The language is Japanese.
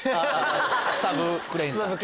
スタブ・クレイン！